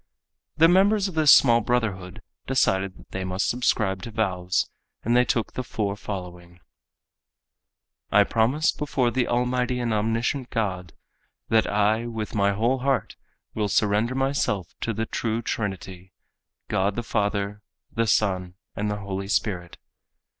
The members of this small brotherhood decided that they must subscribe to vows and they took the four following: "I promise before the Almighty and Omniscient God, that I with my whole heart will surrender myself to the true Trinity, God the Father, the Son and the Holy Spirit.